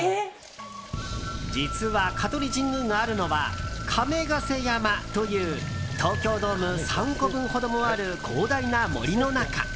実は、香取神宮があるのは亀甲山という東京ドーム３個分ほどもある広大な森の中。